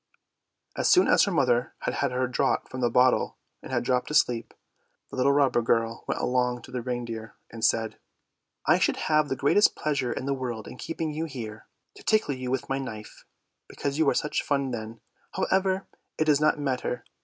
As soon as her mother had had her draught from the bottle and had dropped asleep, the little robber girl went along to the reindeer, and said, " I should have the greatest pleasure in the world in keeping you here, to tickle you with my knife, because you are such fun then; however, it does not matter.